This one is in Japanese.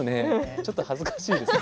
ちょっと恥ずかしいですね。